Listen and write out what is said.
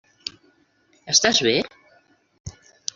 Estàs bé?